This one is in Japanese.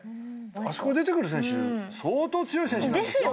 あそこに出てくる選手相当強い選手なんですよ。